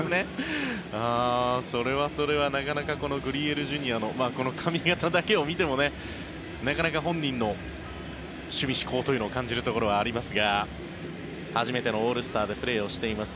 それはそれはなかなかこのグリエルＪｒ．のこの髪形だけを見てもなかなか本人の趣味嗜好というのを感じるところはありますが初めてのオールスターでプレーをしています